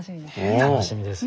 楽しみですよね。